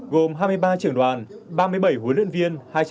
gồm hai mươi ba trưởng đoàn ba mươi bảy huấn luyện viên